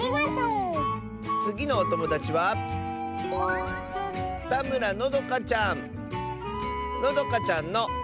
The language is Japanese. つぎのおともだちはのどかちゃんの。